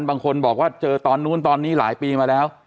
บางคนบอกว่าเจอตอนนู้นตอนนี้หลายปีมาแล้ว